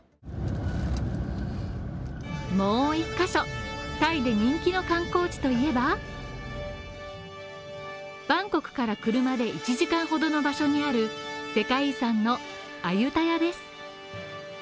もう１ヶ所、タイで人気の観光地といえばバンコクから車で１時間ほどの場所にある世界遺産のアユタヤです。